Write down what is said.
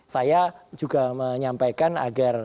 saya juga menyampaikan agar